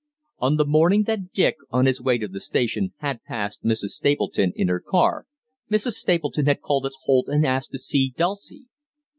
On the morning that Dick, on his way to the station, had passed Mrs. Stapleton in her car, Mrs. Stapleton had called at Holt and asked to see Dulcie.